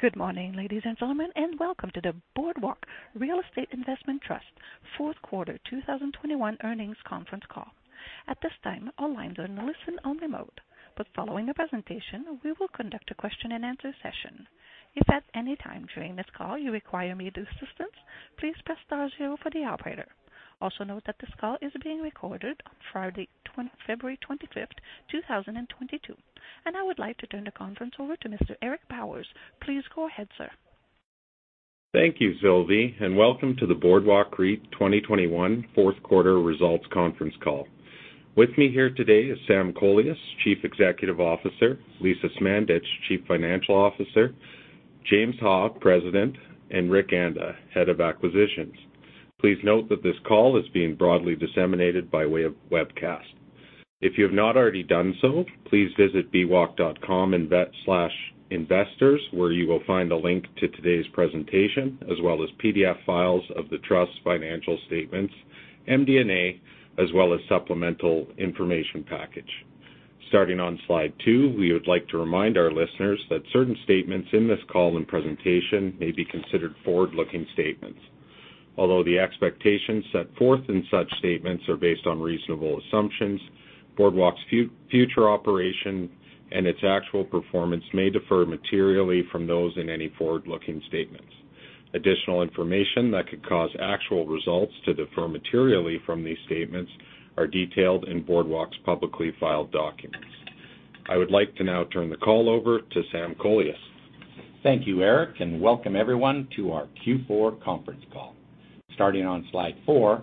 Good morning, ladies and gentlemen, and welcome to the Boardwalk Real Estate Investment Trust fourth quarter 2021 earnings conference call. At this time, all lines are in listen only mode, but following the presentation, we will conduct a question and answer session. If at any time during this call you require immediate assistance, please press star zero for the operator. Also note that this call is being recorded on Friday, February 25, 2022. I would like to turn the conference over to Mr. Eric Bowers. Please go ahead, sir. Thank you, Sylvie, and welcome to the Boardwalk REIT 2021 fourth quarter results conference call. With me here today is Sam Kolias, Chief Executive Officer, Lisa Smandych, Chief Financial Officer, James Ha, President, and Rick Anda, Head of Acquisitions. Please note that this call is being broadly disseminated by way of webcast. If you have not already done so, please visit bwalk.com/investors, where you will find a link to today's presentation as well as PDF files of the Trust's financial statements, MD&A, as well as supplemental information package. Starting on slide 2, we would like to remind our listeners that certain statements in this call and presentation may be considered forward-looking statements. Although the expectations set forth in such statements are based on reasonable assumptions, Boardwalk's future operation and its actual performance may differ materially from those in any forward-looking statements. Additional information that could cause actual results to differ materially from these statements are detailed in Boardwalk's publicly filed documents. I would like to now turn the call over to Sam Kolias. Thank you, Eric, and welcome everyone to our Q4 conference call. Starting on slide 4,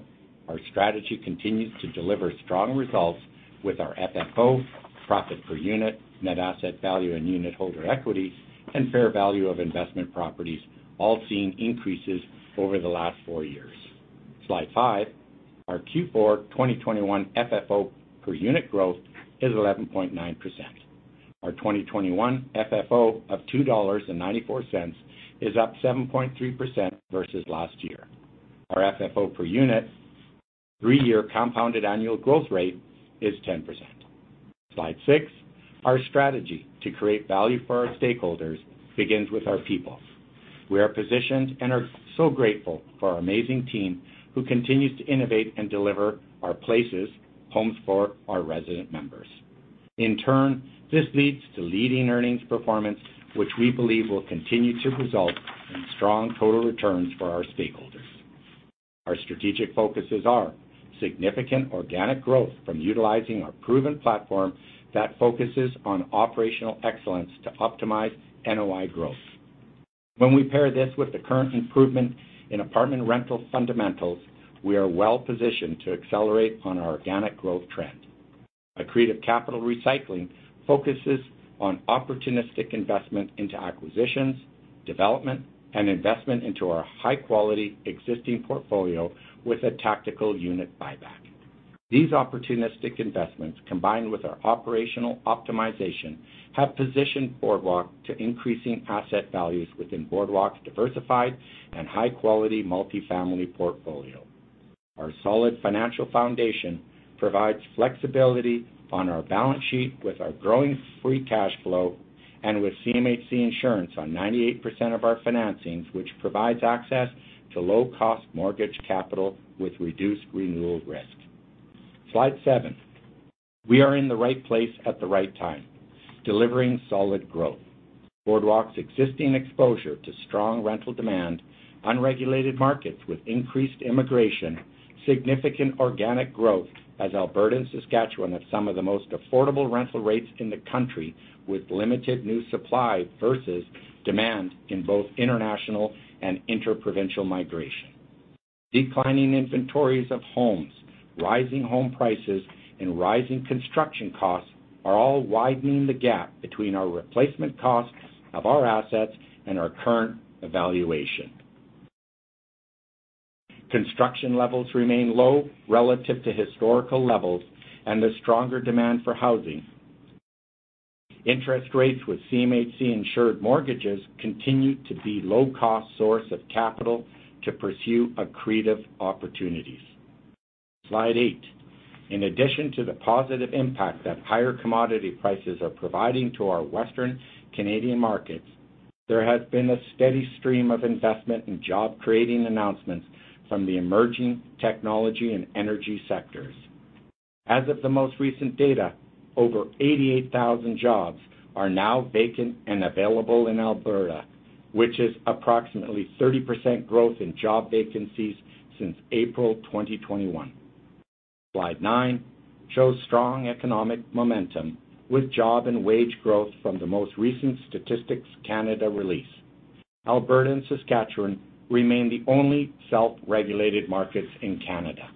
our strategy continues to deliver strong results with our FFO, profit per unit, net asset value and unitholder equity, and fair value of investment properties all seeing increases over the last four years. Slide 5. Our Q4 2021 FFO per unit growth is 11.9%. Our 2021 FFO of 2.94 dollars is up 7.3% versus last year. Our FFO per unit 3-year compounded annual growth rate is 10%. Slide 6. Our strategy to create value for our stakeholders begins with our people. We are positioned and are so grateful for our amazing team who continues to innovate and deliver our places, homes for our resident members. In turn, this leads to leading earnings performance, which we believe will continue to result in strong total returns for our stakeholders. Our strategic focuses are significant organic growth from utilizing our proven platform that focuses on operational excellence to optimize NOI growth. When we pair this with the current improvement in apartment rental fundamentals, we are well-positioned to accelerate on our organic growth trend. Accretive capital recycling focuses on opportunistic investment into acquisitions, development, and investment into our high-quality existing portfolio with a tactical unit buyback. These opportunistic investments, combined with our operational optimization, have positioned Boardwalk to increasing asset values within Boardwalk's diversified and high-quality multifamily portfolio. Our solid financial foundation provides flexibility on our balance sheet with our growing free cash flow and with CMHC insurance on 98% of our financings, which provides access to low-cost mortgage capital with reduced renewal risk. Slide 7. We are in the right place at the right time, delivering solid growth. Boardwalk's existing exposure to strong rental demand, unregulated markets with increased immigration, significant organic growth as Alberta and Saskatchewan have some of the most affordable rental rates in the country with limited new supply versus demand in both international and inter-provincial migration. Declining inventories of homes, rising home prices, and rising construction costs are all widening the gap between our replacement costs of our assets and our current valuation. Construction levels remain low relative to historical levels and the stronger demand for housing. Interest rates with CMHC-insured mortgages continue to be low-cost source of capital to pursue accretive opportunities. Slide eight. In addition to the positive impact that higher commodity prices are providing to our Western Canadian markets, there has been a steady stream of investment in job-creating announcements from the emerging technology and energy sectors. As of the most recent data, over 88,000 jobs are now vacant and available in Alberta, which is approximately 30% growth in job vacancies since April 2021. Slide 9 shows strong economic momentum with job and wage growth from the most recent Statistics Canada release. Alberta and Saskatchewan remain the only self-regulated markets in Canada.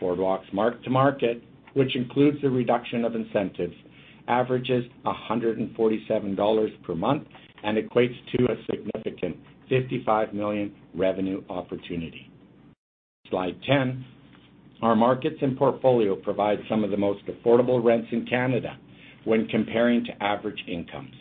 Boardwalk's mark-to-market, which includes the reduction of incentives, averages 147 dollars per month and equates to a significant 55 million revenue opportunity. Slide 10. Our markets and portfolio provide some of the most affordable rents in Canada when comparing to average incomes.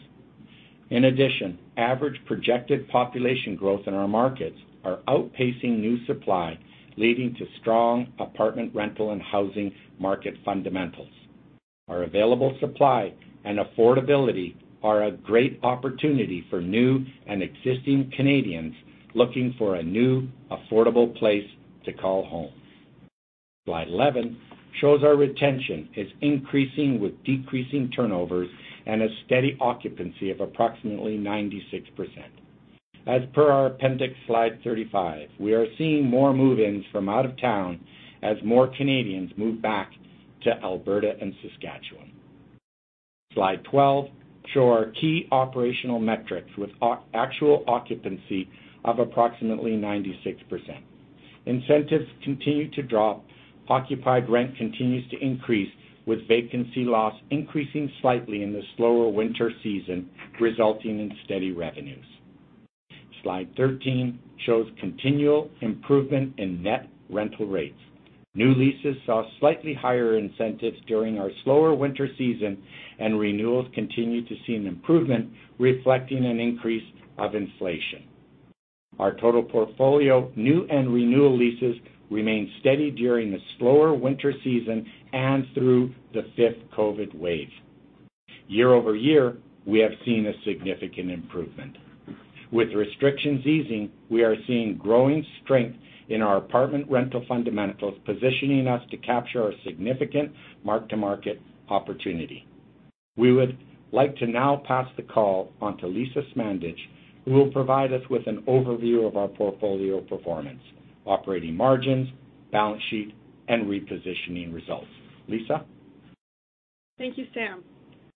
In addition, average projected population growth in our markets are outpacing new supply, leading to strong apartment rental and housing market fundamentals. Our available supply and affordability are a great opportunity for new and existing Canadians looking for a new, affordable place to call home. Slide 11 shows our retention is increasing with decreasing turnovers and a steady occupancy of approximately 96%. As per our appendix slide 35, we are seeing more move-ins from out of town as more Canadians move back to Alberta and Saskatchewan. Slide 12 show our key operational metrics with our actual occupancy of approximately 96%. Incentives continue to drop. Occupied rent continues to increase, with vacancy loss increasing slightly in the slower winter season, resulting in steady revenues. Slide 13 shows continual improvement in net rental rates. New leases saw slightly higher incentives during our slower winter season, and renewals continue to see an improvement, reflecting an increase of inflation. Our total portfolio, new and renewal leases remained steady during the slower winter season and through the fifth COVID wave. Year-over-year, we have seen a significant improvement. With restrictions easing, we are seeing growing strength in our apartment rental fundamentals, positioning us to capture a significant mark-to-market opportunity. We would like to now pass the call on to Lisa Smandych, who will provide us with an overview of our portfolio performance, operating margins, balance sheet, and repositioning results. Lisa. Thank you, Sam.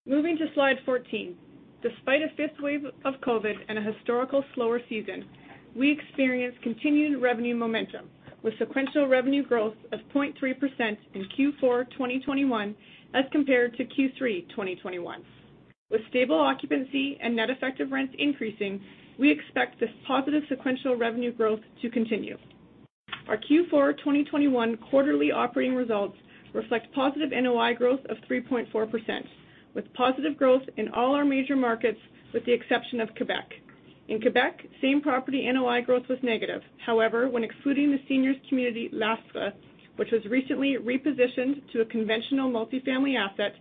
Moving to slide 14. Despite a fifth wave of COVID and a historical slower season, we experienced continued revenue momentum, with sequential revenue growth of 0.3% in Q4 2021 as compared to Q3 2021. With stable occupancy and net effective rents increasing, we expect this positive sequential revenue growth to continue. Our Q4 2021 quarterly operating results reflect positive NOI growth of 3.4%, with positive growth in all our major markets, with the exception of Quebec. In Quebec, same property NOI growth was negative. However, when excluding the seniors community, L'Astra, which was recently repositioned to a conventional multifamily asset,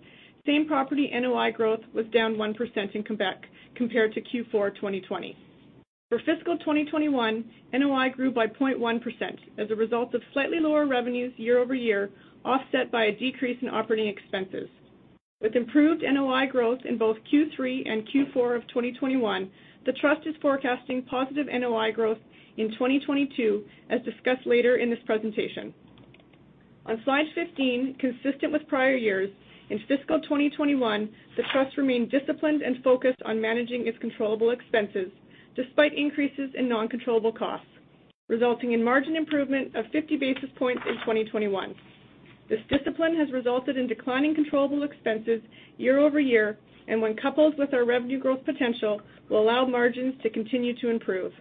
same property NOI growth was down 1% in Quebec compared to Q4 2020. For fiscal 2021, NOI grew by 0.1% as a result of slightly lower revenues year-over-year, offset by a decrease in operating expenses. With improved NOI growth in both Q3 and Q4 of 2021, the trust is forecasting positive NOI growth in 2022, as discussed later in this presentation. On slide 15, consistent with prior years, in fiscal 2021, the trust remained disciplined and focused on managing its controllable expenses despite increases in non-controllable costs, resulting in margin improvement of 50 basis points in 2021. This discipline has resulted in declining controllable expenses year-over-year, and when coupled with our revenue growth potential, will allow margins to continue to improve.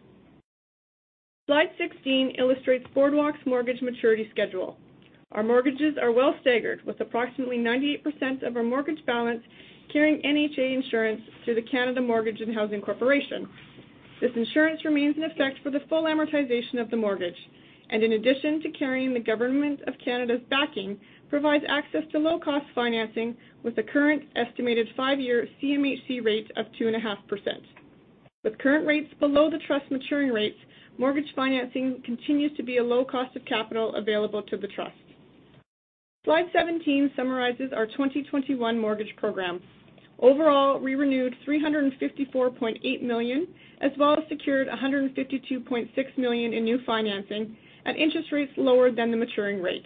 Slide 16 illustrates Boardwalk's mortgage maturity schedule. Our mortgages are well staggered, with approximately 98% of our mortgage balance carrying NHA insurance through the Canada Mortgage and Housing Corporation. This insurance remains in effect for the full amortization of the mortgage, and in addition to carrying the government of Canada's backing, provides access to low-cost financing with the current estimated 5-year CMHC rate of 2.5%. With current rates below the trust maturing rates, mortgage financing continues to be a low cost of capital available to the trust. Slide 17 summarizes our 2021 mortgage program. Overall, we renewed 354.8 million, as well as secured 152.6 million in new financing at interest rates lower than the maturing rate.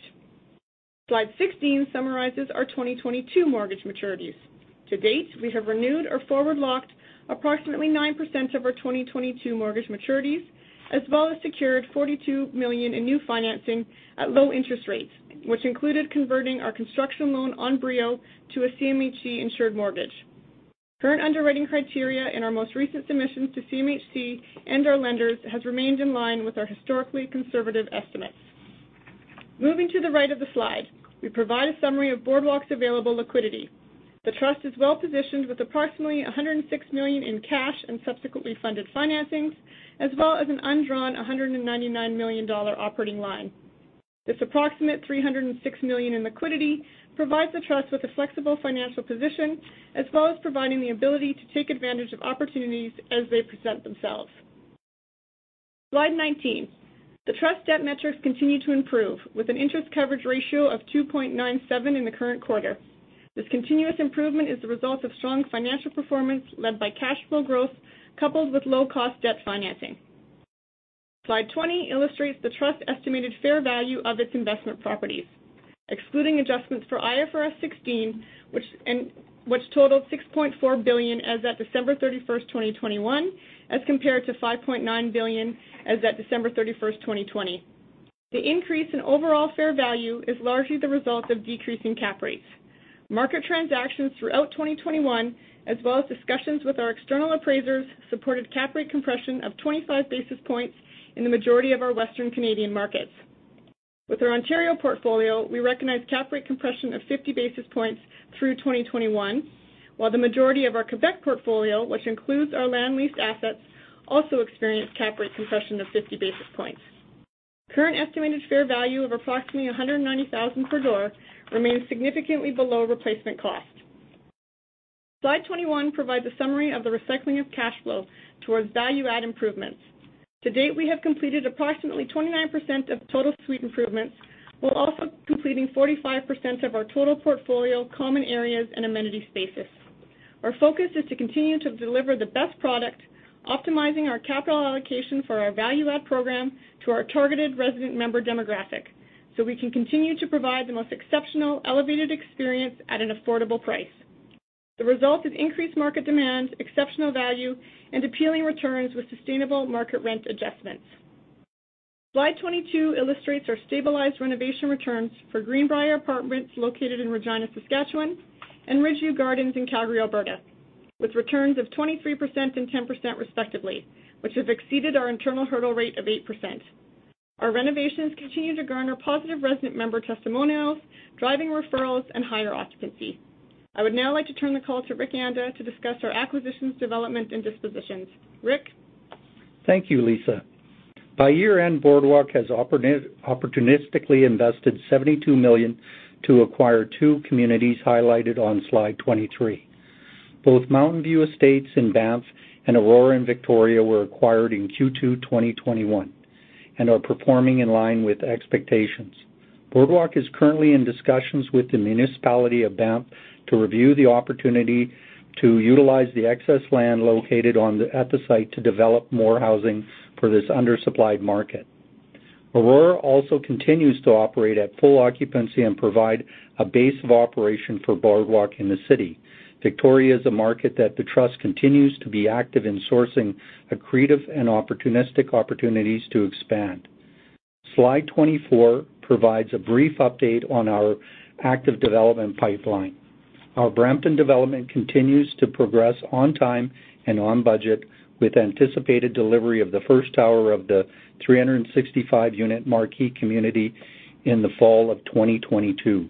Slide 16 summarizes our 2022 mortgage maturities. To date, we have renewed or forward locked approximately 9% of our 2022 mortgage maturities, as well as secured 42 million in new financing at low interest rates, which included converting our construction loan on Brio to a CMHC-insured mortgage. Current underwriting criteria in our most recent submissions to CMHC and our lenders has remained in line with our historically conservative estimates. Moving to the right of the slide, we provide a summary of Boardwalk's available liquidity. The trust is well-positioned with approximately 106 million in cash and subsequently funded financings, as well as an undrawn 199 million dollar operating line. This approximate 306 million in liquidity provides the trust with a flexible financial position, as well as providing the ability to take advantage of opportunities as they present themselves. Slide nineteen. The trust debt metrics continue to improve with an interest coverage ratio of 2.97 in the current quarter. This continuous improvement is the result of strong financial performance led by cash flow growth, coupled with low-cost debt financing. Slide 20 illustrates the Trust's estimated fair value of its investment properties. Excluding adjustments for IFRS 16, which totaled 6.4 billion as of December 31, 2021, as compared to 5.9 billion as of December 31, 2020. The increase in overall fair value is largely the result of decreasing cap rates. Market transactions throughout 2021, as well as discussions with our external appraisers, supported cap rate compression of 25 basis points in the majority of our Western Canadian markets. With our Ontario portfolio, we recognize cap rate compression of 50 basis points through 2021, while the majority of our Quebec portfolio, which includes our land leased assets, also experienced cap rate compression of 50 basis points. Current estimated fair value of approximately 190,000 per door remains significantly below replacement cost. Slide 21 provides a summary of the recycling of cash flow towards value-add improvements. To date, we have completed approximately 29% of total suite improvements, while also completing 45% of our total portfolio common areas and amenity spaces. Our focus is to continue to deliver the best product, optimizing our capital allocation for our value add program to our targeted resident member demographic, so we can continue to provide the most exceptional elevated experience at an affordable price. The result is increased market demand, exceptional value, and appealing returns with sustainable market rent adjustments. Slide 22 illustrates our stabilized renovation returns for Greenbriar Apartments located in Regina, Saskatchewan, and Ridgeview Gardens in Calgary, Alberta, with returns of 23% and 10% respectively, which has exceeded our internal hurdle rate of 8%. Our renovations continue to garner positive resident member testimonials, driving referrals and higher occupancy. I would now like to turn the call to Rick Anda to discuss our acquisitions, development and dispositions. Rick. Thank you, Lisa. By year-end, Boardwalk has opportunistically invested 72 million to acquire two communities highlighted on slide 23. Both Mountainview Estates in Banff and Aurora in Victoria were acquired in Q2 2021, and are performing in line with expectations. Boardwalk is currently in discussions with the municipality of Banff to review the opportunity to utilize the excess land located at the site to develop more housing for this undersupplied market. Aurora also continues to operate at full occupancy and provide a base of operation for Boardwalk in the city. Victoria is a market that the trust continues to be active in sourcing accretive and opportunistic opportunities to expand. Slide 24 provides a brief update on our active development pipeline. Our Brampton development continues to progress on time and on budget, with anticipated delivery of the first tower of the 365-unit Marquee community in the fall of 2022.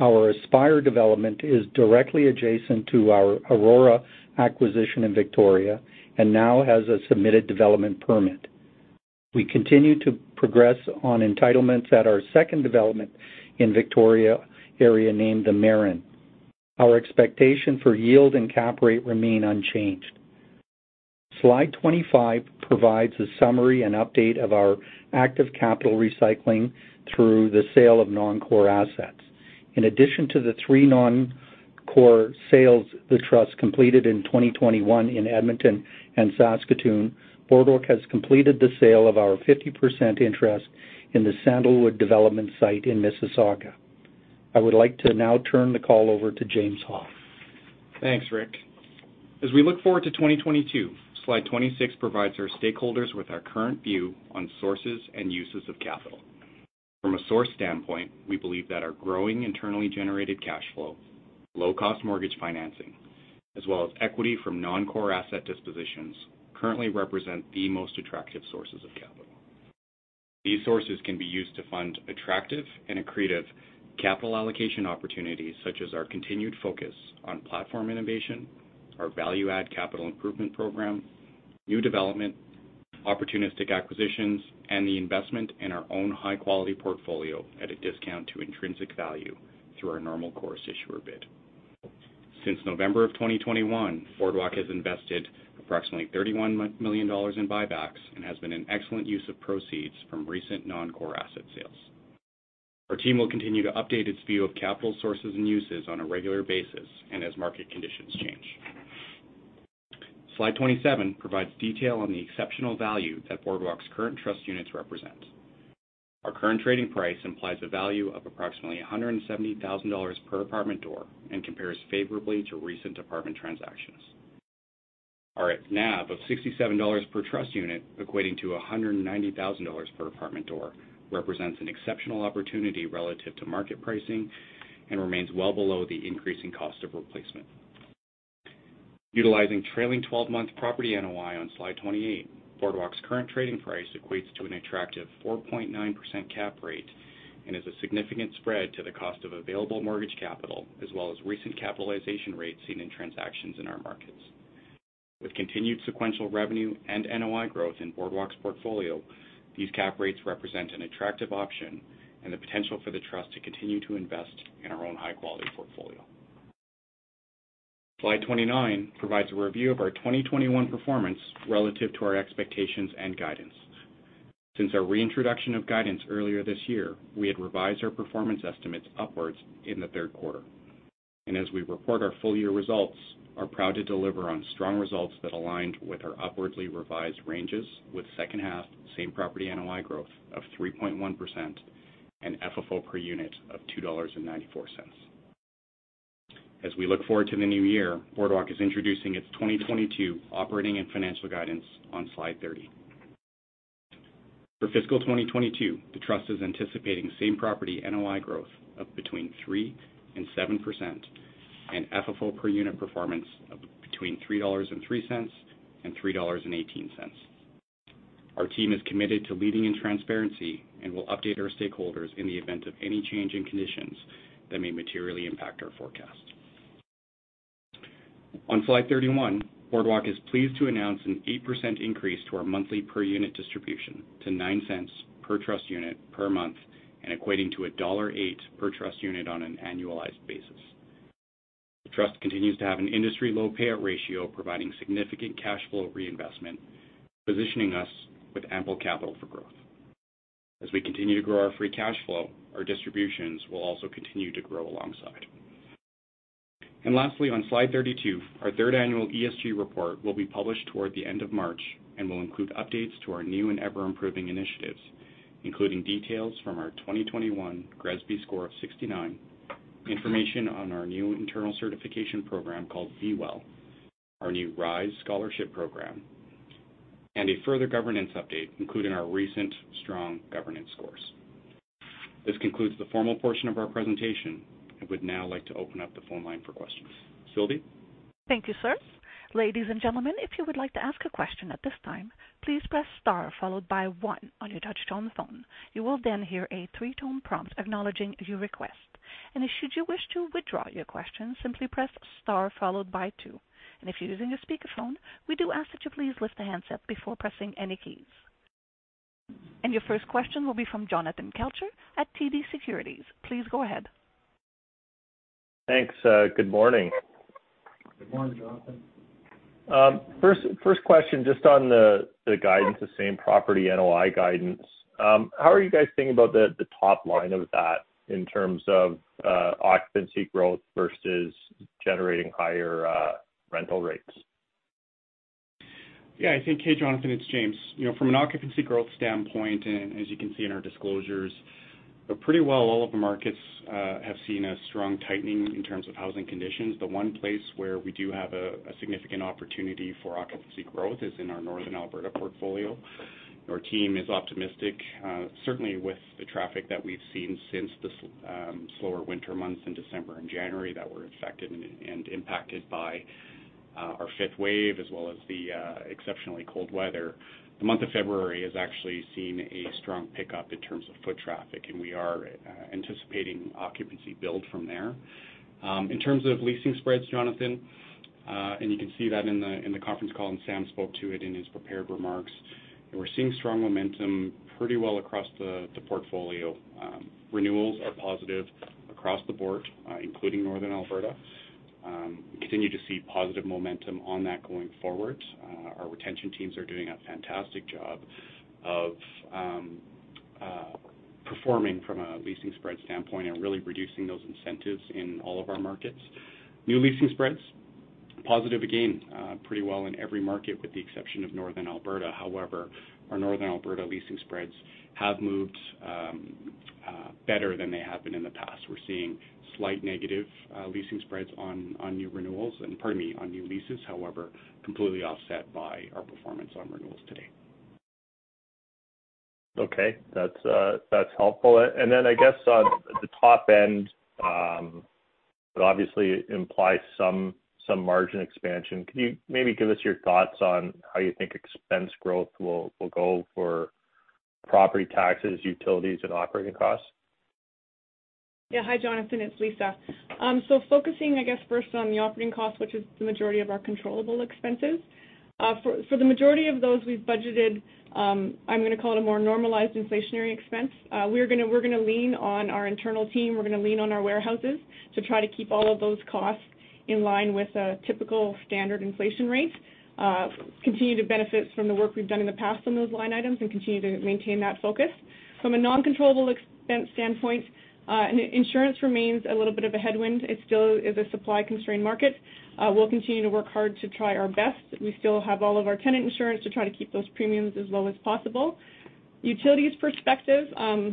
Our Aspire development is directly adjacent to our Aurora acquisition in Victoria, and now has a submitted development permit. We continue to progress on entitlements at our second development in Victoria area, named The Marin. Our expectation for yield and cap rate remain unchanged. Slide 25 provides a summary and update of our active capital recycling through the sale of non-core assets. In addition to the three non-core sales the trust completed in 2021 in Edmonton and Saskatoon, Boardwalk has completed the sale of our 50% interest in the Sandalwood development site in Mississauga. I would like to now turn the call over to James Ha. Thanks, Rick. As we look forward to 2022, slide 26 provides our stakeholders with our current view on sources and uses of capital. From a source standpoint, we believe that our growing internally generated cash flow, low cost mortgage financing, as well as equity from non-core asset dispositions currently represent the most attractive sources of capital. These sources can be used to fund attractive and accretive capital allocation opportunities, such as our continued focus on platform innovation, our value add capital improvement program, new development, opportunistic acquisitions, and the investment in our own high quality portfolio at a discount to intrinsic value through our normal course issuer bid. Since November of 2021, Boardwalk has invested approximately 31 million dollars in buybacks and has been an excellent use of proceeds from recent non-core asset sales. Our team will continue to update its view of capital sources and uses on a regular basis and as market conditions change. Slide 27 provides detail on the exceptional value that Boardwalk's current trust units represent. Our current trading price implies a value of approximately 170,000 dollars per apartment door and compares favorably to recent apartment transactions. At our NAV of 67 dollars per trust unit, equating to 190,000 dollars per apartment door, represents an exceptional opportunity relative to market pricing and remains well below the increasing cost of replacement. Utilizing trailing 12-month property NOI on Slide 28, Boardwalk's current trading price equates to an attractive 4.9% cap rate and is a significant spread to the cost of available mortgage capital, as well as recent capitalization rates seen in transactions in our markets. With continued sequential revenue and NOI growth in Boardwalk's portfolio, these cap rates represent an attractive option and the potential for the trust to continue to invest in our own high quality portfolio. Slide 29 provides a review of our 2021 performance relative to our expectations and guidance. Since our reintroduction of guidance earlier this year, we had revised our performance estimates upwards in the third quarter. As we report our full year results, we are proud to deliver on strong results that aligned with our upwardly revised ranges with second half same property NOI growth of 3.1% and FFO per unit of 2.94 dollars. As we look forward to the new year, Boardwalk is introducing its 2022 operating and financial guidance on slide 30. For fiscal 2022, the trust is anticipating same-property NOI growth of between 3% and 7% and FFO per unit performance of between 3.03 dollars and 3.18 dollars. Our team is committed to leading in transparency and will update our stakeholders in the event of any change in conditions that may materially impact our forecast. On slide 31, Boardwalk is pleased to announce an 8% increase to our monthly per unit distribution to 0.09 per trust unit per month, and equating to dollar 1.08 per trust unit on an annualized basis. The trust continues to have an industry-low payout ratio, providing significant cash flow reinvestment, positioning us with ample capital for growth. As we continue to grow our free cash flow, our distributions will also continue to grow alongside. Lastly, on slide 32, our third annual ESG report will be published toward the end of March and will include updates to our new and ever-improving initiatives, including details from our 2021 GRESB score of 69, information on our new internal certification program called BWell, our new Rise Scholarship Program, and a further governance update, including our recent strong governance scores. This concludes the formal portion of our presentation. I would now like to open up the phone line for questions. Sylvie? Thank you, sir. Ladies and gentlemen, if you would like to ask a question at this time, please press star followed by one on your touchtone phone. You will then hear a three-tone prompt acknowledging your request. Should you wish to withdraw your question, simply press star followed by two. If you're using a speakerphone, we do ask that you please lift the handset before pressing any keys. Your first question will be from Jonathan Kelcher at TD Securities. Please go ahead. Thanks. Good morning. Good morning, Jonathan. First question, just on the guidance, the same-property NOI guidance. How are you guys thinking about the top line of that in terms of occupancy growth versus generating higher rental rates? Yeah, I think, hey, Jonathan, it's James. You know, from an occupancy growth standpoint, and as you can see in our disclosures, but pretty well all of the markets have seen a strong tightening in terms of housing conditions. The one place where we do have a significant opportunity for occupancy growth is in our Northern Alberta portfolio. Our team is optimistic, certainly with the traffic that we've seen since the slower winter months in December and January that were affected and impacted by our fifth wave, as well as the exceptionally cold weather. The month of February has actually seen a strong pickup in terms of foot traffic, and we are anticipating occupancy build from there. In terms of leasing spreads, Jonathan, and you can see that in the conference call, and Sam spoke to it in his prepared remarks, we're seeing strong momentum pretty well across the portfolio. Renewals are positive across the board, including Northern Alberta. We continue to see positive momentum on that going forward. Our retention teams are doing a fantastic job of performing from a leasing spread standpoint and really reducing those incentives in all of our markets. New leasing spreads, positive again, pretty well in every market with the exception of Northern Alberta. However, our Northern Alberta leasing spreads have moved better than they have been in the past. We're seeing slight negative leasing spreads on new leases. However, completely offset by our performance on renewals today. Okay. That's helpful. Then I guess on the top end, it obviously implies some margin expansion. Can you maybe give us your thoughts on how you think expense growth will go for property taxes, utilities, and operating costs? Hi, Jonathan. It's Lisa. Focusing, I guess, first on the operating costs, which is the majority of our controllable expenses. For the majority of those, we've budgeted. I'm gonna call it a more normalized inflationary expense. We're gonna lean on our internal team. We're gonna lean on our warehouses to try to keep all of those costs in line with a typical standard inflation rate. Continue to benefit from the work we've done in the past on those line items and continue to maintain that focus. From a non-controllable expense standpoint, insurance remains a little bit of a headwind. It still is a supply-constrained market. We'll continue to work hard to try our best. We still have all of our tenant insurance to try to keep those premiums as low as possible. Utilities perspective,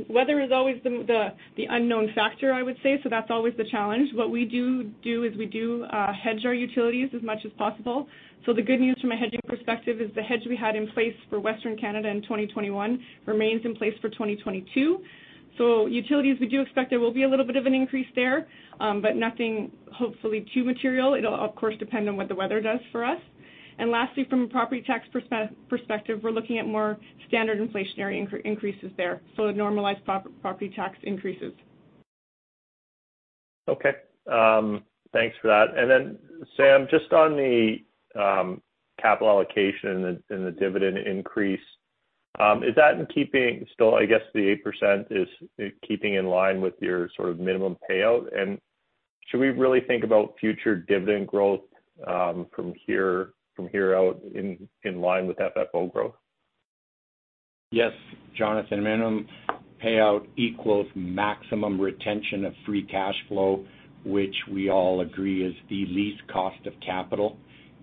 weather is always the unknown factor, I would say, so that's always the challenge. What we do is we hedge our utilities as much as possible. The good news from a hedging perspective is the hedge we had in place for Western Canada in 2021 remains in place for 2022. Utilities, we do expect there will be a little bit of an increase there, but nothing, hopefully, too material. It'll, of course, depend on what the weather does for us. Lastly, from a property tax perspective, we're looking at more standard inflationary increases there, so normalized property tax increases. Okay. Thanks for that. Then Sam, just on the capital allocation and the dividend increase, is that in keeping still, I guess, the 8% is keeping in line with your sort of minimum payout? Should we really think about future dividend growth, from here out in line with FFO growth? Yes, Jonathan. Minimum payout equals maximum retention of free cash flow, which we all agree is the least cost of capital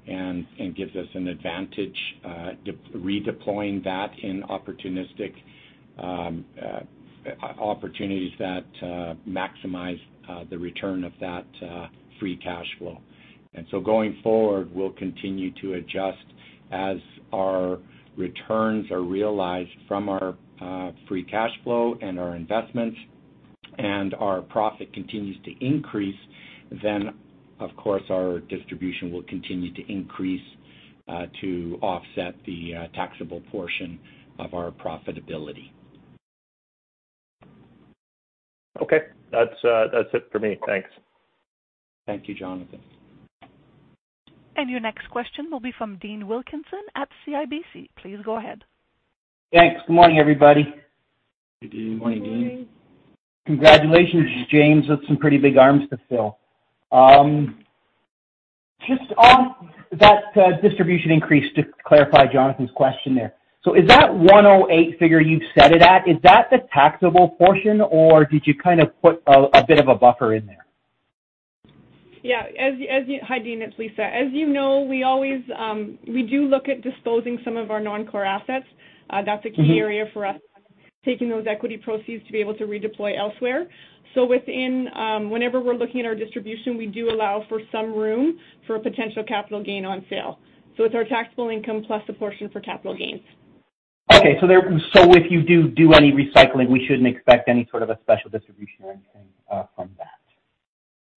and gives us an advantage redeploying that in opportunistic opportunities that maximize the return of that free cash flow. Going forward, we'll continue to adjust as our returns are realized from our free cash flow and our investments and our profit continues to increase, then, of course, our distribution will continue to increase to offset the taxable portion of our profitability. Okay. That's it for me. Thanks. Thank you, Jonathan. Your next question will be from. Please go ahead. Thanks. Good morning, everybody. Good morning. Morning, Dean. Congratulations, James. That's some pretty big arms to fill. Just on that, distribution increase, to clarify Jonathan's question there. Is that 108 figure you've set it at, is that the taxable portion, or did you kind of put a bit of a buffer in there? Yeah. Hi, Dean, it's Lisa. As you know, we always we do look at disposing some of our non-core assets. That's a key area for us, taking those equity proceeds to be able to redeploy elsewhere. Within whenever we're looking at our distribution, we do allow for some room for a potential capital gain on sale. It's our taxable income plus a portion for capital gains. Okay. If you do any recycling, we shouldn't expect any sort of a special distribution or anything from that.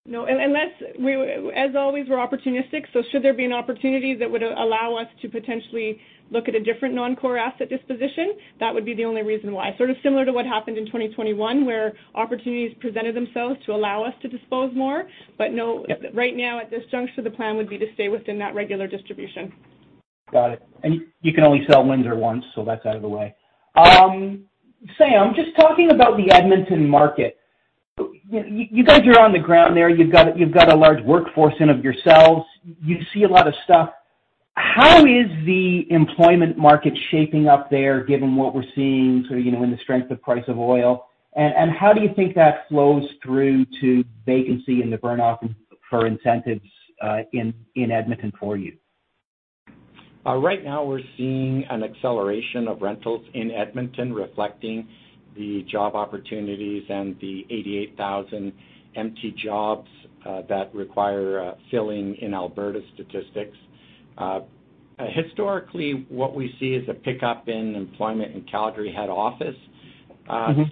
No. As always, we're opportunistic, so should there be an opportunity that would allow us to potentially look at a different non-core asset disposition, that would be the only reason why. Sort of similar to what happened in 2021, where opportunities presented themselves to allow us to dispose more. But no. Yep. Right now, at this juncture, the plan would be to stay within that regular distribution. Got it. You can only sell Windsor once, so that's out of the way. Sam, just talking about the Edmonton market. You guys are on the ground there. You've got a large workforce in and of yourselves. You see a lot of stuff. How is the employment market shaping up there, given what we're seeing sort of, you know, in the strength of price of oil? And how do you think that flows through to vacancy and the burn-off for incentives in Edmonton for you? Right now we're seeing an acceleration of rentals in Edmonton reflecting the job opportunities and the 88,000 empty jobs that require filling in Alberta statistics. Historically, what we see is a pickup in employment in Calgary head office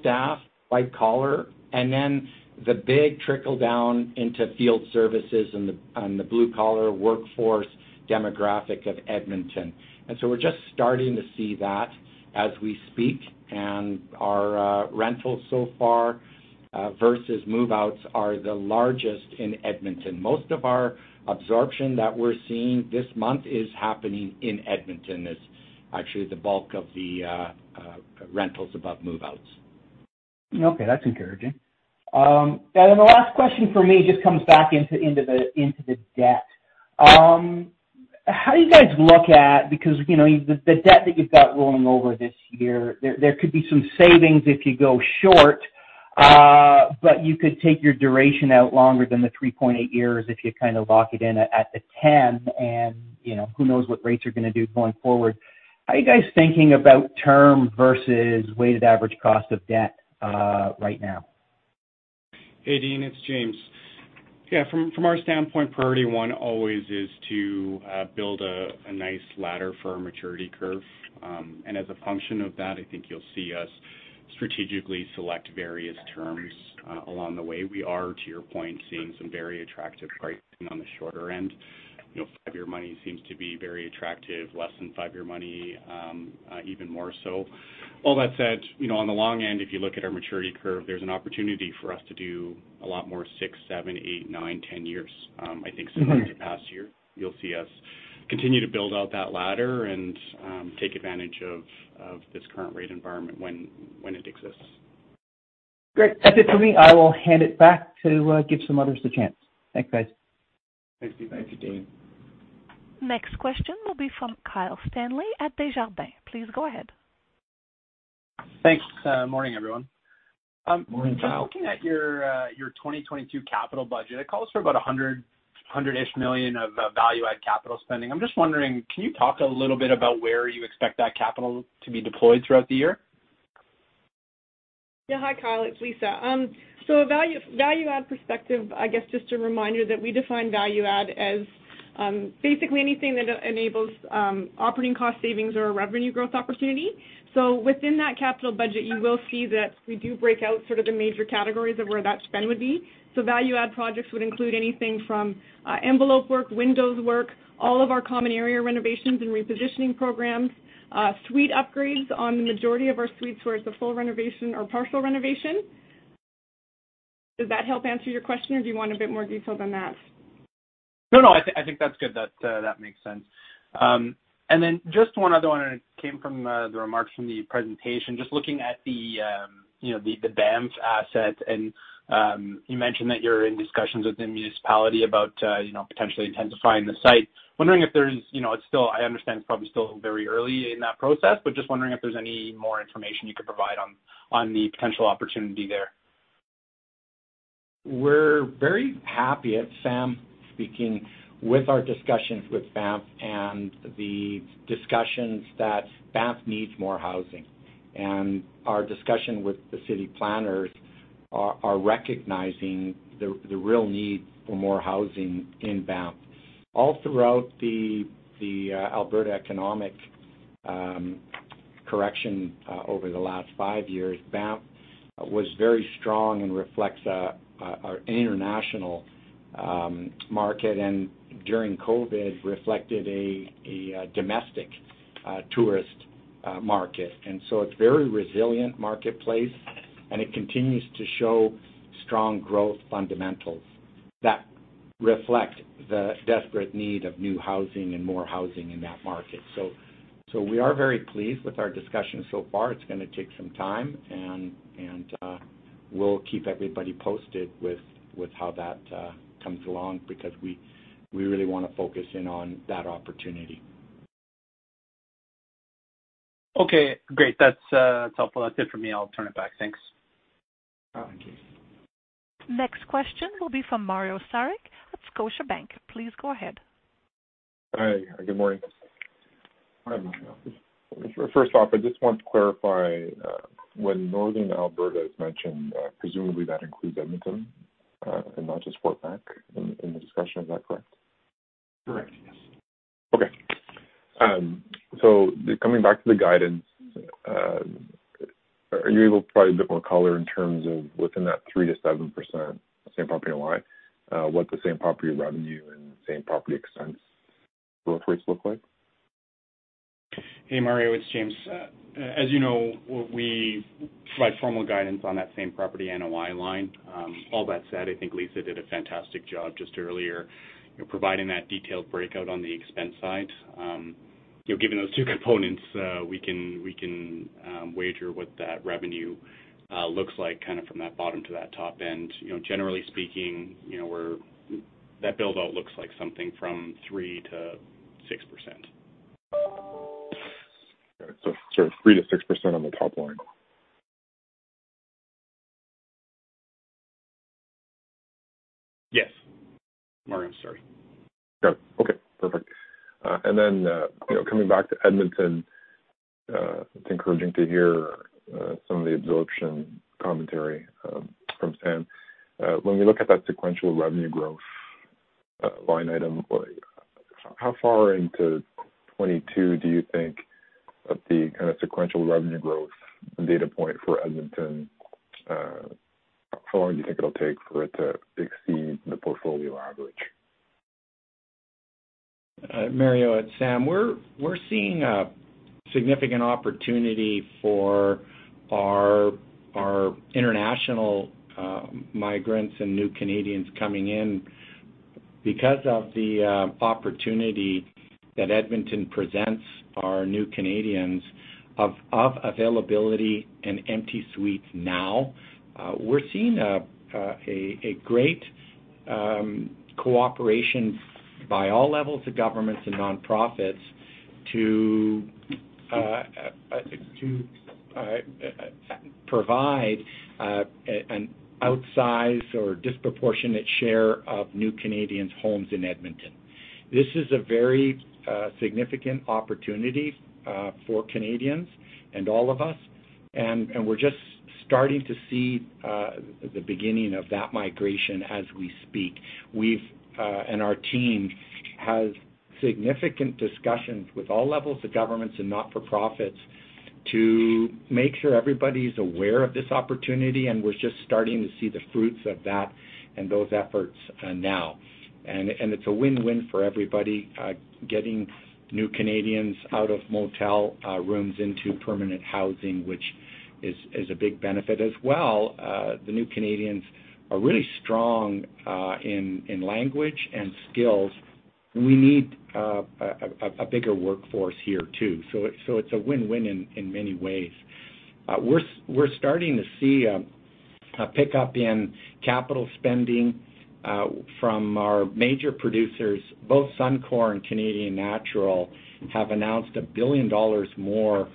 staff, white collar, and then the big trickle-down into field services and the blue collar workforce demographic of Edmonton. We're just starting to see that as we speak. Our rentals so far versus move-outs are the largest in Edmonton. Most of our absorption that we're seeing this month is happening in Edmonton, is actually the bulk of the rentals above move-outs. Okay. That's encouraging. And then the last question for me just comes back into the debt. How do you guys look at it? Because, you know, the debt that you've got rolling over this year, there could be some savings if you go short, but you could take your duration out longer than the 3.8 years if you kind of lock it in at the 10, and, you know, who knows what rates are gonna do going forward. How are you guys thinking about term versus weighted average cost of debt right now? Hey, Dean, it's James. Yeah, from our standpoint, priority 1 always is to build a nice ladder for our maturity curve. As a function of that, I think you'll see us strategically select various terms along the way. We are, to your point, seeing some very attractive pricing on the shorter end. You know, 5-year money seems to be very attractive, less than 5-year money, even more so. All that said, you know, on the long end, if you look at our maturity curve, there's an opportunity for us to do a lot more 6, 7, 8, 9, 10 years, I think, similar to the past year. You'll see us continue to build out that ladder and take advantage of this current rate environment when it exists. Great. That's it for me. I will hand it back to, give some others a chance. Thanks, guys. Thanks, Dean. Thank you, Dean. Next question will be from Kyle Stanley at Desjardins. Please go ahead. Thanks. Morning, everyone. Morning, Kyle. Just looking at your 2022 capital budget, it calls for about 100-ish million of value add capital spending. I'm just wondering, can you talk a little bit about where you expect that capital to be deployed throughout the year? Yeah. Hi, Kyle. It's Lisa. Value add perspective, I guess just a reminder that we define value add as, basically anything that enables, operating cost savings or a revenue growth opportunity. Within that capital budget, you will see that we do break out sort of the major categories of where that spend would be. Value add projects would include anything from, envelope work, windows work, all of our common area renovations and repositioning programs, suite upgrades on the majority of our suites where it's a full renovation or partial renovation. Does that help answer your question, or do you want a bit more detail than that? No, no. I think that's good. That makes sense. Just one other one, and it came from the remarks from the presentation. Just looking at the Banff asset and you mentioned that you're in discussions with the municipality about potentially intensifying the site. I understand it's probably still very early in that process, but just wondering if there's any more information you could provide on the potential opportunity there. We're very happy. It's Sam speaking with our discussions with Banff and the discussions that Banff needs more housing. Our discussion with the city planners are recognizing the real need for more housing in Banff. All throughout the Alberta economic correction over the last five years, Banff was very strong and reflects an international market, and during COVID reflected a domestic tourist market. It's very resilient marketplace, and it continues to show strong growth fundamentals that reflect the desperate need of new housing and more housing in that market. We are very pleased with our discussions so far. It's gonna take some time and we'll keep everybody posted with how that comes along because we really wanna focus in on that opportunity. Okay, great. That's helpful. That's it for me. I'll turn it back. Thanks. Thank you. Next question will be from Mario Saric at Scotiabank. Please go ahead. Hi. Good morning. Hi, Mario. First off, I just want to clarify, when Northern Alberta is mentioned, presumably that includes Edmonton, and not just Fort Mac in the discussion. Is that correct? Correct, yes. Okay. Coming back to the guidance, are you able to provide a bit more color in terms of within that 3%-7% same-property NOI, what the same-property revenue and same-property expense growth rates look like? Hey, Mario, it's James. As you know, we provide formal guidance on that same-property NOI line. All that said, I think Lisa did a fantastic job just earlier, you know, providing that detailed breakout on the expense side. You know, given those two components, we can wager what that revenue looks like kind of from that bottom to that top end. You know, generally speaking, you know, that build out looks like something from 3%-6%. Got it. 3%-6% on the top line. Yes. Mario, sorry. Got it. Okay, perfect. You know, coming back to Edmonton, it's encouraging to hear some of the absorption commentary from Sam. When we look at that sequential revenue growth line item, how far into 2022 do you think it'll take for it to exceed the portfolio average? Mario, it's Sam. We're seeing a significant opportunity for our international migrants and new Canadians coming in. Because of the opportunity that Edmonton presents our new Canadians of availability and empty suites now, we're seeing a great cooperation by all levels of governments and nonprofits to provide an outsized or disproportionate share of new Canadians homes in Edmonton. This is a very significant opportunity for Canadians and all of us. We're just starting to see the beginning of that migration as we speak. We've and our team has significant discussions with all levels of governments and not-for-profits to make sure everybody's aware of this opportunity, and we're just starting to see the fruits of that and those efforts now. It's a win-win for everybody, getting new Canadians out of motel rooms into permanent housing, which is a big benefit as well. The new Canadians are really strong in language and skills. We need a bigger workforce here too. It's a win-win in many ways. We're starting to see a pickup in capital spending from our major producers. Both Suncor and Canadian Natural have announced 1 billion dollars more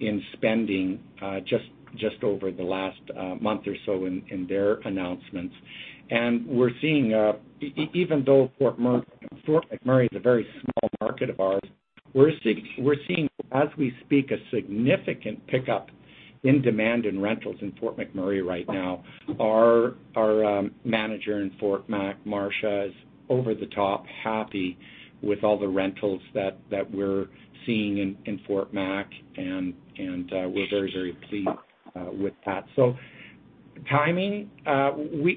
in spending just over the last month or so in their announcements. Even though Fort McMurray is a very small market of ours, we're seeing, as we speak, a significant pickup in demand in rentals in Fort McMurray right now. Our manager in Fort Mac, Marsha, is over the top happy with all the rentals that we're seeing in Fort Mac, and we're very pleased with that. Timing,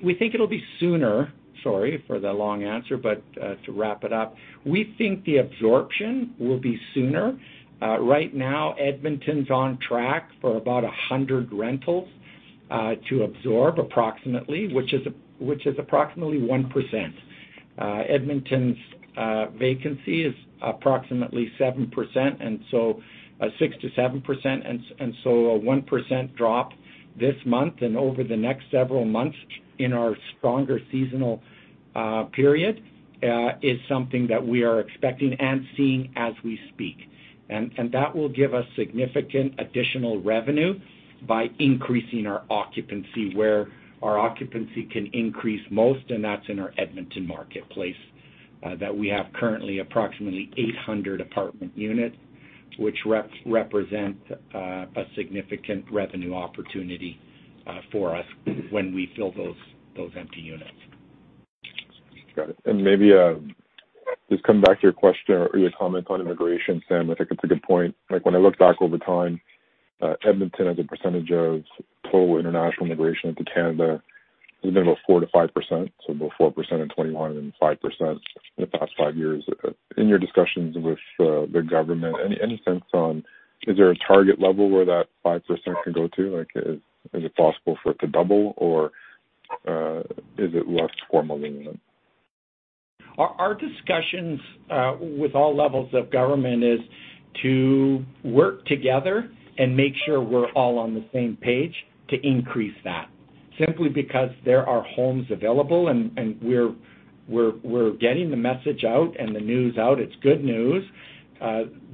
we think it'll be sooner. Sorry for the long answer, but to wrap it up, we think the absorption will be sooner. Right now, Edmonton's on track for about 100 rentals to absorb approximately, which is approximately 1%. Edmonton's vacancy is approximately 7%, and so 6%-7%, and a 1% drop this month and over the next several months in our stronger seasonal period is something that we are expecting and seeing as we speak. That will give us significant additional revenue by increasing our occupancy where our occupancy can increase most, and that's in our Edmonton marketplace that we have currently approximately 800 apartment units, which represent a significant revenue opportunity for us when we fill those empty units. Got it. Maybe, just coming back to your question or your comment on immigration, Sam, I think it's a good point. Like, when I look back over time Edmonton as a percentage of total international immigration into Canada has been about 4%-5%, so about 4% in 2021 and 5% in the past 5 years. In your discussions with the government, any sense on is there a target level where that 5% can go to? Like, is it possible for it to double or is it less formally? Our discussions with all levels of government is to work together and make sure we're all on the same page to increase that. Simply because there are homes available, and we're getting the message out and the news out, it's good news.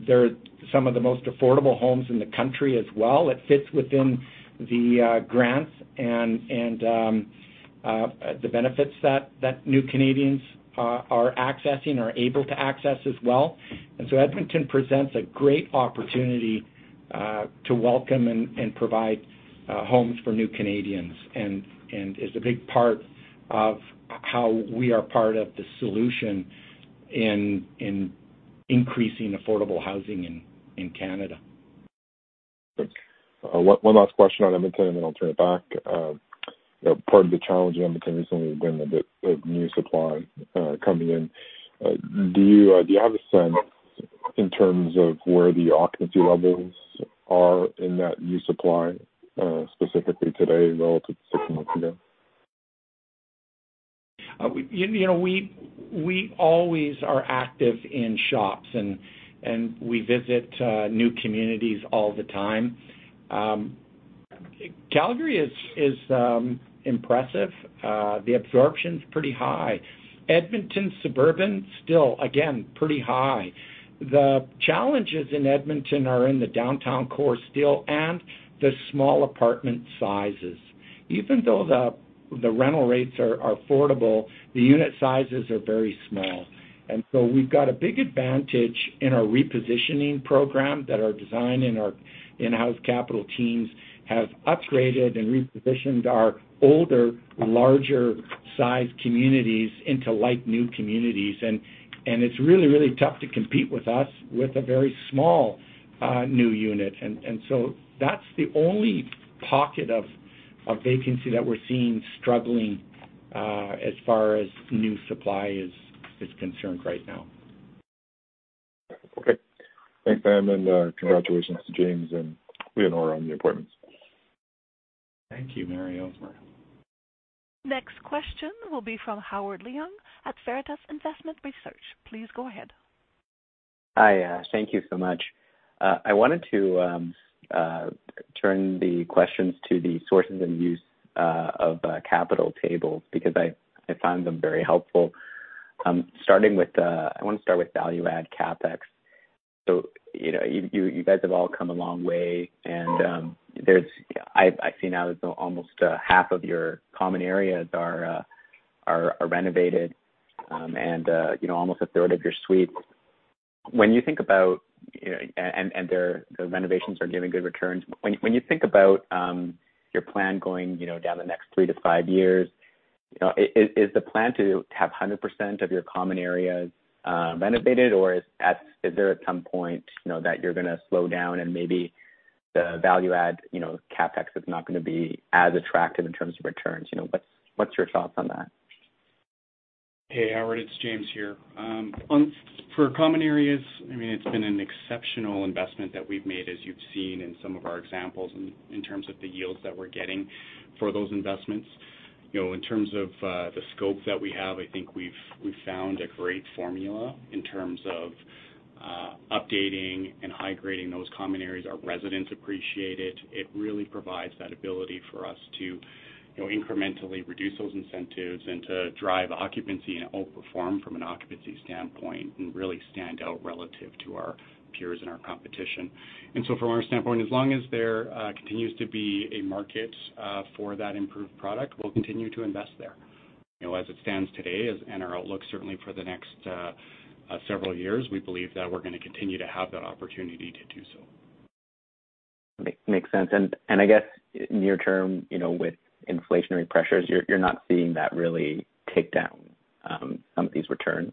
They're some of the most affordable homes in the country as well. It fits within the grants and the benefits that new Canadians are accessing or able to access as well. Edmonton presents a great opportunity to welcome and provide homes for new Canadians and is a big part of how we are part of the solution in increasing affordable housing in Canada. Thanks. One last question on Edmonton, and then I'll turn it back. You know, part of the challenge in Edmonton recently has been the new supply coming in. Do you have a sense in terms of where the occupancy levels are in that new supply, specifically today relative to six months ago? You know, we always are active in shops, and we visit new communities all the time. Calgary is impressive. The absorption's pretty high. Edmonton suburban, still, again, pretty high. The challenges in Edmonton are in the downtown core still and the small apartment sizes. Even though the rental rates are affordable, the unit sizes are very small. It's really tough to compete with us with a very small new unit. That's the only pocket of vacancy that we're seeing struggling as far as new supply is concerned right now. Okay. Thanks, Dan, and congratulations to James and Leonora on the appointments. Thank you, Mario. Next question will be from Howard Leung at Veritas Investment Research. Please go ahead. Hi, thank you so much. I wanted to turn the questions to the sources and uses of capital tables because I find them very helpful. I want to start with value add CapEx. You guys have all come a long way and I see now that almost half of your common areas are renovated and almost a third of your suites. When you think about, the renovations are giving good returns. When you think about your plan going, you know, down the next 3 to 5 years, you know, is the plan to have 100% of your common areas renovated or is there at some point, you know, that you're gonna slow down and maybe the value add, you know, CapEx is not gonna be as attractive in terms of returns? You know, what's your thoughts on that? Hey, Howard, it's James here. For common areas, I mean, it's been an exceptional investment that we've made as you've seen in some of our examples in terms of the yields that we're getting for those investments. You know, in terms of the scope that we have, I think we've found a great formula in terms of updating and high-grading those common areas. Our residents appreciate it. It really provides that ability for us to, you know, incrementally reduce those incentives and to drive occupancy and outperform from an occupancy standpoint and really stand out relative to our peers and our competition. From our standpoint, as long as there continues to be a market for that improved product, we'll continue to invest there. You know, as it stands today, and our outlook certainly for the next several years, we believe that we're gonna continue to have that opportunity to do so. Makes sense. I guess near term, you know, with inflationary pressures, you're not seeing that really take down some of these returns.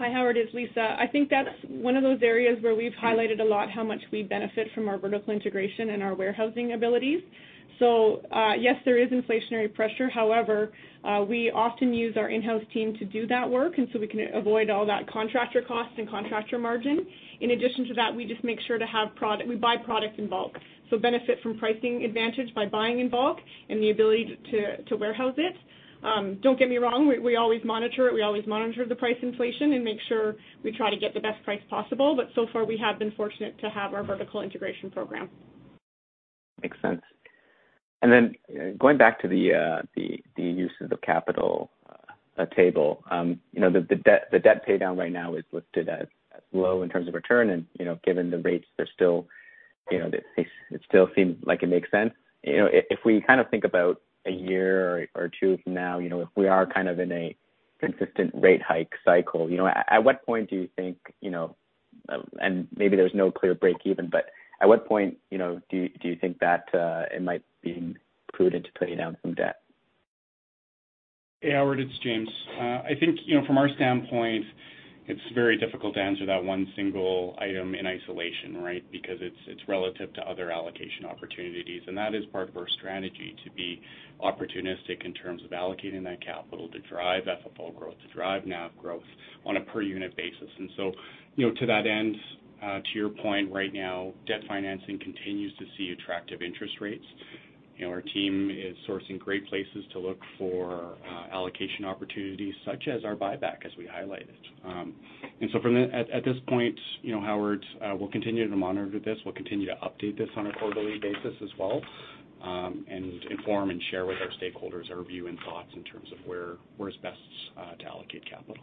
Hi, Howard, it's Lisa. I think that's one of those areas where we've highlighted a lot how much we benefit from our vertical integration and our warehousing abilities. Yes, there is inflationary pressure. However, we often use our in-house team to do that work, and so we can avoid all that contractor cost and contractor margin. In addition to that, we just make sure to have product. We buy product in bulk, benefit from pricing advantage by buying in bulk and the ability to warehouse it. Don't get me wrong. We always monitor it. We always monitor the price inflation and make sure we try to get the best price possible. So far we have been fortunate to have our vertical integration program. Makes sense. Going back to the uses of capital table, you know, the debt pay down right now is listed as low in terms of return. You know, given the rates they're still, you know, it still seems like it makes sense. You know, if we kind of think about a year or two from now, you know, if we are kind of in a consistent rate hike cycle, you know, at what point do you think, you know, and maybe there's no clear break even, but at what point, you know, do you think that it might be prudent to pay down some debt? Hey, Howard, it's James. I think, you know, from our standpoint, it's very difficult to answer that one single item in isolation, right? Because it's relative to other allocation opportunities, and that is part of our strategy to be opportunistic in terms of allocating that capital to drive FFO growth, to drive NAV growth on a per unit basis. To that end, to your point right now, debt financing continues to see attractive interest rates. You know, our team is sourcing great places to look for allocation opportunities such as our buyback, as we highlighted. At this point, you know, Howard, we'll continue to monitor this. We'll continue to update this on a quarterly basis as well, and inform and share with our stakeholders our view and thoughts in terms of where's best to allocate capital.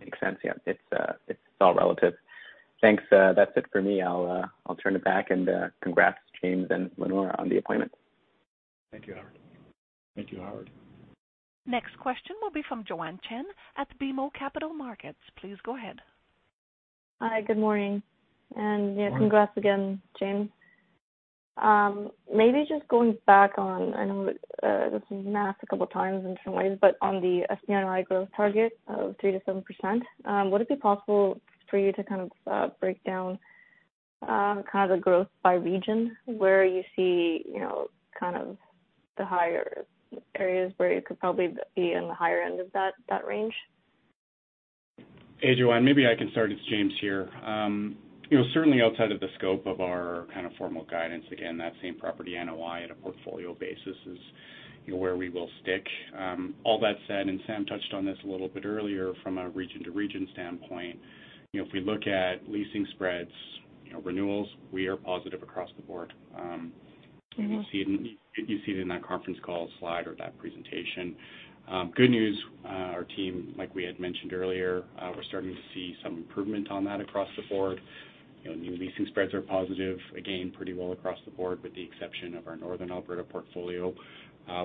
Makes sense. Yeah. It's all relative. Thanks. That's it for me. I'll turn it back, and congrats, James and Leonora, on the appointment. Thank you, Howard. Thank you, Howard. Next question will be from Joanne Chen at BMO Capital Markets. Please go ahead. Hi. Good morning. Good morning. Yeah, congrats again, James. Maybe just going back on, I know, this was asked a couple times in some ways, but on the SPNOI growth target of 3%-7%, would it be possible for you to kind of break down kind of the growth by region where you see, you know, kind of the higher areas where you could probably be in the higher end of that range? Hey, Joanne. Maybe I can start. It's James here. You know, certainly outside of the scope of our kind of formal guidance, again, that same property NOI at a portfolio basis is, you know, where we will stick. All that said, Sam touched on this a little bit earlier from a region to region standpoint. You know, if we look at leasing spreads, you know, renewals, we are positive across the board. Mm-hmm. You see it in that conference call slide or that presentation. Good news, our team, like we had mentioned earlier, we're starting to see some improvement on that across the board. You know, new leasing spreads are positive, again, pretty well across the board, with the exception of our Northern Alberta portfolio,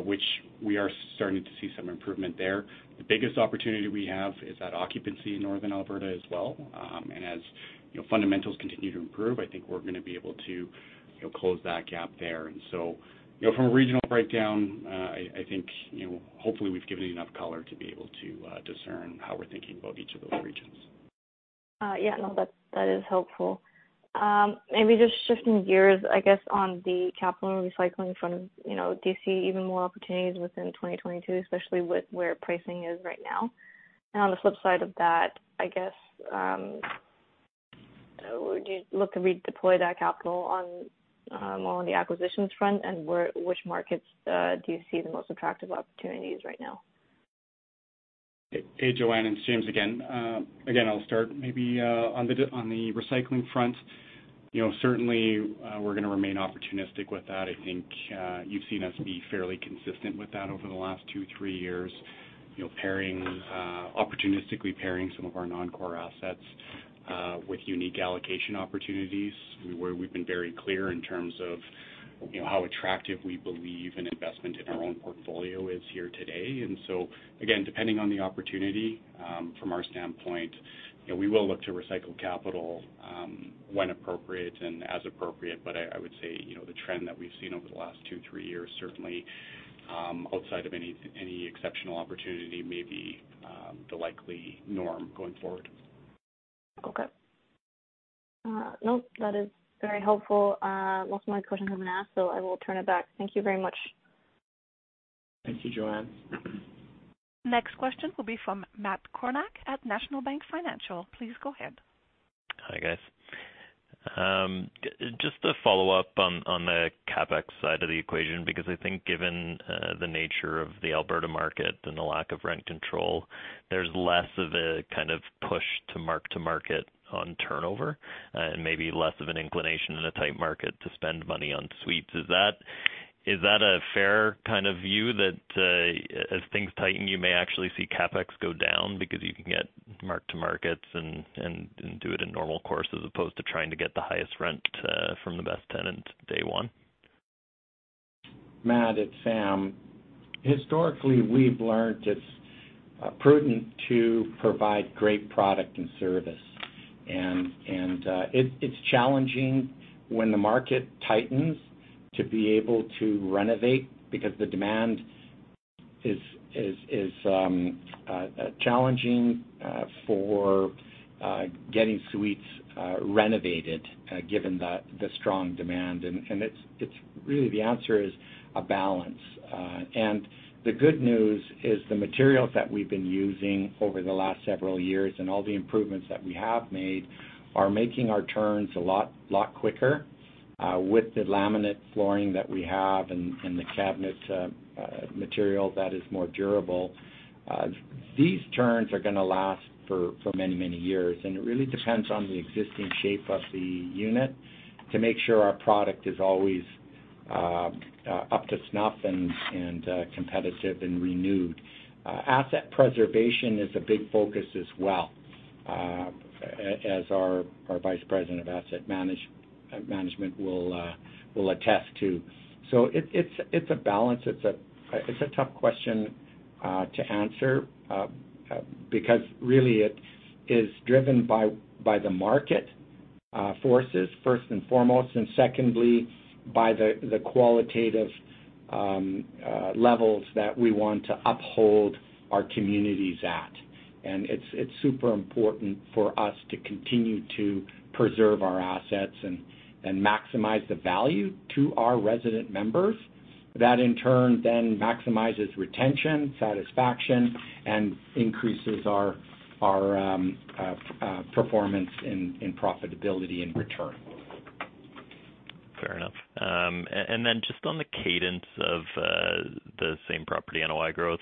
which we are starting to see some improvement there. The biggest opportunity we have is that occupancy in Northern Alberta as well. Fundamentals continue to improve, I think we're gonna be able to, you know, close that gap there. You know, from a regional breakdown, I think, you know, hopefully we've given you enough color to be able to discern how we're thinking about each of those regions. Yeah, no, that is helpful. Maybe just shifting gears, I guess, on the capital recycling front, you know, do you see even more opportunities within 2022, especially with where pricing is right now? On the flip side of that, I guess, would you look to redeploy that capital on the acquisitions front? Which markets do you see the most attractive opportunities right now? Hey, Joanne, it's James again. Again, I'll start maybe on the recycling front. You know, certainly, we're gonna remain opportunistic with that. I think, you've seen us be fairly consistent with that over the last two, three years. You know, opportunistically pairing some of our non-core assets with unique allocation opportunities, where we've been very clear in terms of, you know, how attractive we believe an investment in our own portfolio is here today. Again, depending on the opportunity, from our standpoint, you know, we will look to recycle capital when appropriate and as appropriate. I would say, you know, the trend that we've seen over the last two, three years, certainly, outside of any exceptional opportunity may be the likely norm going forward. Okay. Nope, that is very helpful. Most of my questions have been asked, so I will turn it back. Thank you very much. Thank you, Joanne. Next question will be from Matt Kornack at National Bank Financial. Please go ahead. Hi, guys. Just a follow-up on the CapEx side of the equation, because I think given the nature of the Alberta market and the lack of rent control, there's less of a kind of push to mark-to-market on turnover, and maybe less of an inclination in a tight market to spend money on suites. Is that a fair kind of view that as things tighten, you may actually see CapEx go down because you can get mark-to-markets and do it in normal course as opposed to trying to get the highest rent from the best tenant day one? Matt, it's Sam. Historically, we've learned it's prudent to provide great product and service. It's challenging when the market tightens to be able to renovate because the demand is challenging for getting suites renovated given the strong demand. It's really the answer is a balance. The good news is the materials that we've been using over the last several years and all the improvements that we have made are making our turns a lot quicker with the laminate flooring that we have and the cabinet material that is more durable. These turns are gonna last for many years, and it really depends on the existing shape of the unit to make sure our product is always up to snuff and competitive and renewed. Asset preservation is a big focus as well, as our vice president of asset management will attest to. It's a balance. It's a tough question to answer because really it is driven by the market forces first and foremost, and secondly, by the qualitative levels that we want to uphold our communities at. It's super important for us to continue to preserve our assets and maximize the value to our resident members. That in turn then maximizes retention, satisfaction, and increases our performance in profitability and return. Fair enough. And then just on the cadence of the same property NOI growth,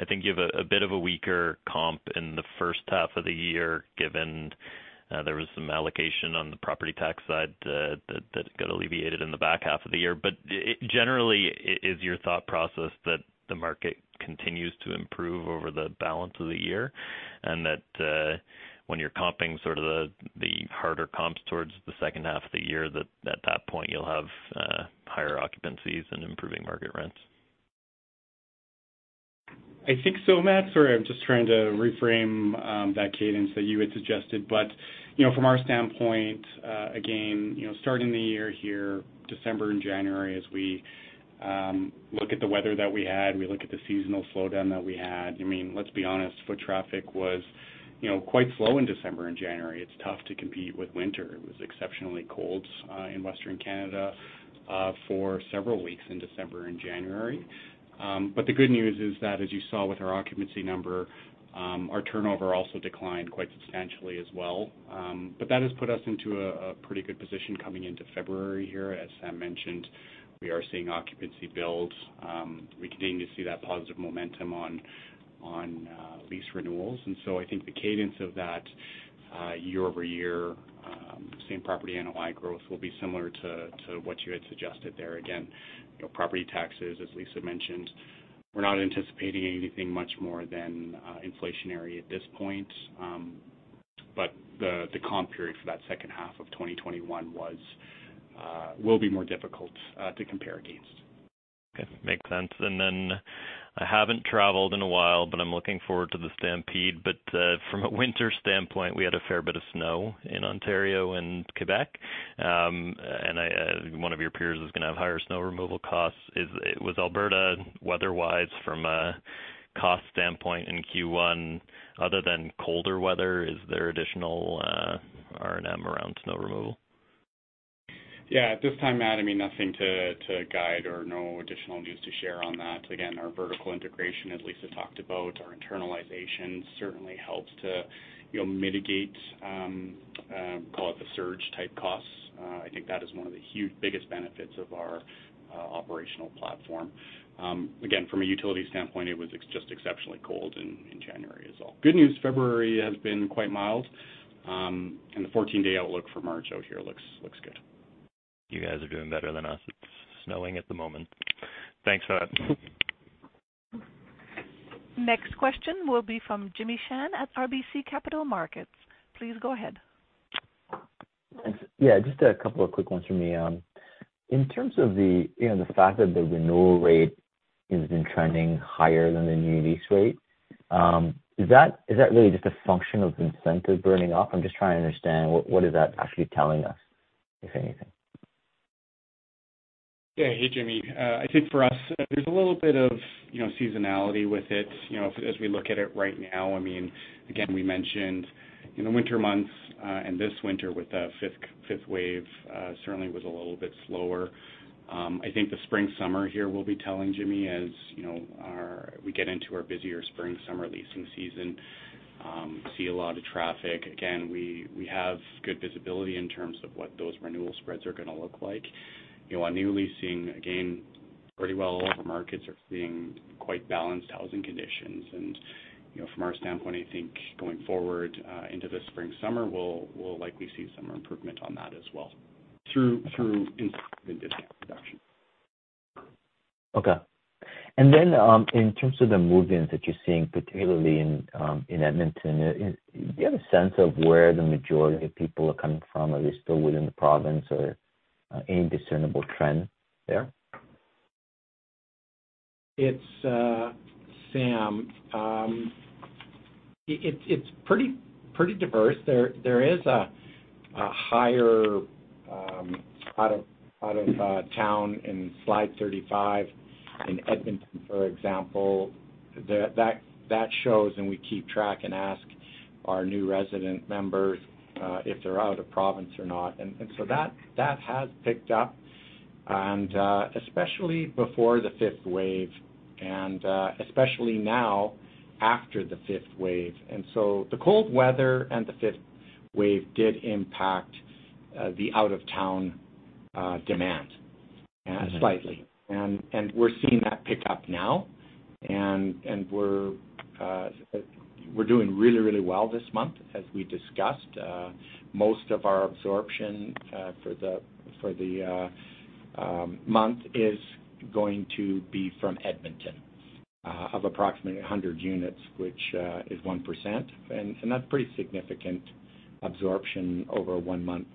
I think you have a bit of a weaker comp in the first half of the year, given there was some allocation on the property tax side that got alleviated in the back half of the year. Generally, is your thought process that the market continues to improve over the balance of the year, and that when you're comping sort of the harder comps towards the second half of the year, that at that point you'll have higher occupancies and improving market rents? I think so, Matt. Sorry, I'm just trying to reframe that cadence that you had suggested. You know, from our standpoint, again, you know, starting the year here, December and January, as we look at the weather that we had, we look at the seasonal slowdown that we had. I mean, let's be honest, foot traffic was, you know, quite slow in December and January. It's tough to compete with winter. It was exceptionally cold in Western Canada for several weeks in December and January. The good news is that as you saw with our occupancy number, our turnover also declined quite substantially as well. That has put us into a pretty good position coming into February here. As Sam mentioned, we are seeing occupancy build. We continue to see that positive momentum on lease renewals. I think the cadence of that year-over-year same property NOI growth will be similar to what you had suggested there. Again, you know, property taxes, as Lisa mentioned, we're not anticipating anything much more than inflationary at this point. The comp period for that second half of 2021 will be more difficult to compare against. Okay. Makes sense. Then I haven't traveled in a while, but I'm looking forward to the stampede. From a winter standpoint, we had a fair bit of snow in Ontario and Quebec. I, one of your peers is gonna have higher snow removal costs. Was Alberta weather-wise from a cost standpoint in Q1, other than colder weather, is there additional R&M around snow removal? Yeah. At this time, Matt, I mean, nothing to guide or no additional news to share on that. Again, our vertical integration, as Lisa talked about, our internalization certainly helps to, you know, mitigate, call it the surge-type costs. I think that is one of the biggest benefits of our operational platform. Again, from a utility standpoint, it was just exceptionally cold in January as well. Good news, February has been quite mild, and the 14-day outlook for March out here looks good. You guys are doing better than us. It's snowing at the moment. Thanks for that. Next question will be from Jimmy Shan at RBC Capital Markets. Please go ahead. Thanks. Yeah, just a couple of quick ones from me. In terms of the, you know, the fact that the renewal rate has been trending higher than the new lease rate, is that really just a function of incentive burning off? I'm just trying to understand what is that actually telling us, if anything. Yeah. Hey, Jimmy. I think for us, there's a little bit of, you know, seasonality with it. You know, as we look at it right now, I mean, again, we mentioned in the winter months, and this winter with the fifth wave, certainly was a little bit slower. I think the spring, summer here will be telling Jimmy, as you know, we get into our busier spring, summer leasing season, see a lot of traffic. Again, we have good visibility in terms of what those renewal spreads are gonna look like. You know, our new leasing, again, pretty well all of our markets are seeing quite balanced housing conditions. You know, from our standpoint, I think going forward, into the spring, summer, we'll likely see some improvement on that as well through this production. Okay. In terms of the move-ins that you're seeing, particularly in Edmonton, do you have a sense of where the majority of people are coming from? Are they still within the province or any discernible trend there? It's Sam. It's pretty diverse. There is a higher out-of-town in slide 35 in Edmonton, for example, that shows, and we keep track and ask our new resident members if they're out of province or not. That has picked up, especially before the fifth wave and especially now after the fifth wave. The cold weather and the fifth wave did impact the out-of-town demand slightly. We're seeing that pick up now. We're doing really well this month. As we discussed, most of our absorption for the month is going to be from Edmonton of approximately 100 units, which is 1%. That's pretty significant absorption over a 1-month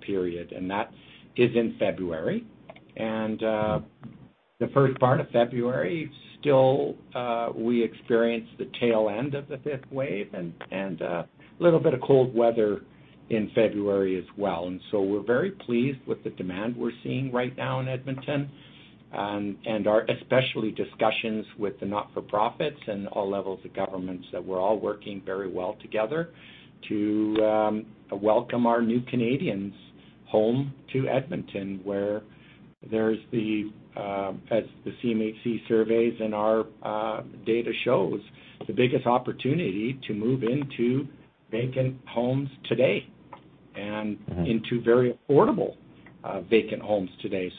period. That is in February. The first part of February, still, we experienced the tail end of the fifth wave and a little bit of cold weather in February as well. We're very pleased with the demand we're seeing right now in Edmonton. Our especially discussions with the not-for-profits and all levels of governments that we're all working very well together to welcome our new Canadians home to Edmonton, where there's the, as the CMHC surveys and our data shows, the biggest opportunity to move into vacant homes today and into very affordable vacant homes today.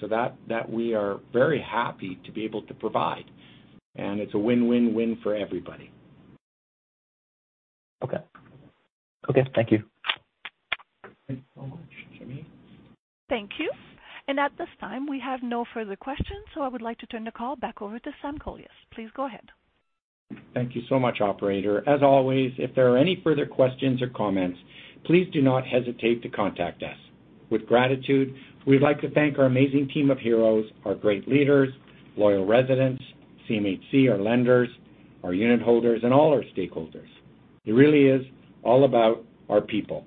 That we are very happy to be able to provide. It's a win-win-win for everybody. Okay. Okay. Thank you. Thanks so much, Jimmy. Thank you. At this time, we have no further questions, so I would like to turn the call back over to Sam Kolias. Please go ahead. Thank you so much, operator. As always, if there are any further questions or comments, please do not hesitate to contact us. With gratitude, we'd like to thank our amazing team of heroes, our great leaders, loyal residents, CMHC, our lenders, our unit holders, and all our stakeholders. It really is all about our people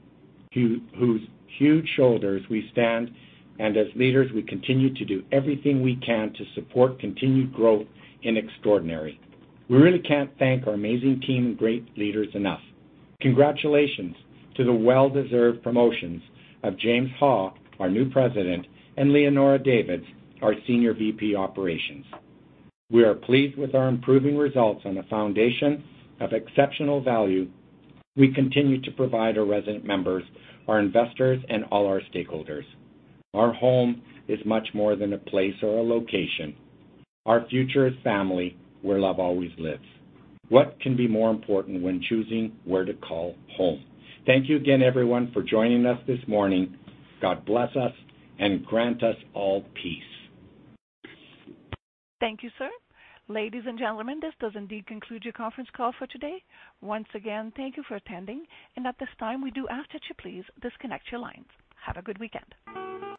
whose huge shoulders we stand on. As leaders, we continue to do everything we can to support continued growth in extraordinary. We really can't thank our amazing team and great leaders enough. Congratulations to the well-deserved promotions of James Ha, our new President, and Leonora Davids, our Senior VP, Operations. We are pleased with our improving results on a foundation of exceptional value we continue to provide our resident members, our investors, and all our stakeholders. Our home is much more than a place or a location. Our future is family, where love always lives. What can be more important when choosing where to call home? Thank you again, everyone, for joining us this morning. God bless us and grant us all peace. Thank you, sir. Ladies and gentlemen, this does indeed conclude your conference call for today. Once again, thank you for attending. At this time, we do ask that you please disconnect your lines. Have a good weekend.